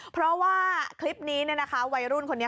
เพราะว่าคลิปนี้เนี่ยนะคะวัยรุ่นคนนี้